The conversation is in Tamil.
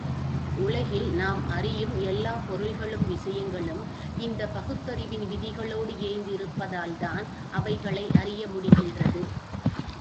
உலகில் நாம் அறியும் எல்லாப் பொருள்களும், விஷயங்களும் இந்தப் பகுத்தறிவின் விதிகளோடு இயைந்திருப்பதால்தான், அவைகளை அறிய முடிகின்றது.